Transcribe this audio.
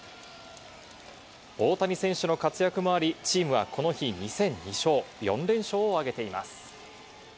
大谷選手の活躍もあり、チームはこの日、２戦２勝、４連勝を挙げています。